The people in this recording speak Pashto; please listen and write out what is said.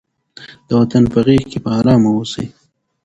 د وطن په غېږ کې په ارامه اوسئ.